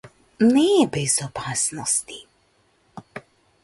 Не е без опасности.